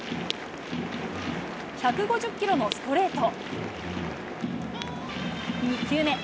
１５０キロのストレート。